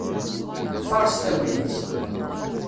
Faṛeṣ tagnit!